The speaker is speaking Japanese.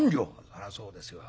「そらそうですよ。